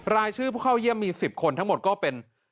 รายชื่อผู้เข้าเยี่ยมมี๑๐คนทั้งหมดก็เป็น